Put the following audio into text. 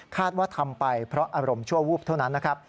ว่าทำไปเพราะอารมณ์ชั่ววูบเท่านั้นนะครับ